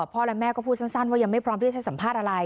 แม่และแม่ก็พูดสั้นว่ายังไม่พร้อมที่จะสัมภาษณ์อะไร